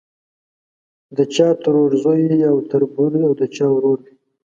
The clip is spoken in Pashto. د چا ترورزی او تربور او د چا ورور وي.